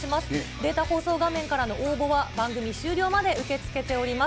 データ放送画面からの応募は、番組終了まで受け付けております。